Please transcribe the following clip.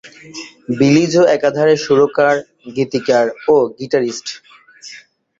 বিলি জো একাধারে সুরকার, গীতিকার ও গিটারিস্ট।